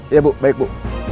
ya bu baik bu